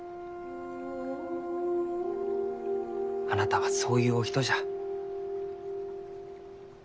あなたはそういうお人じゃ。